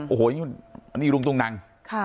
โอ้โหอันนี้รุงตุ้งนัง